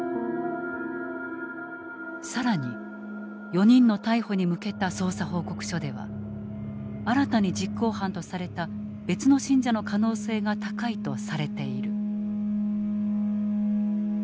更に４人の逮捕に向けた捜査報告書では新たに実行犯とされた別の信者の可能性が高いとされている。